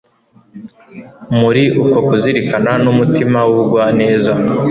Muri uko kuzirikana numutima wubugwaneza